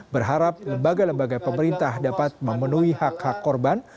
berharap lembaga lembaga pemerintah dapat memenuhi hak hak korban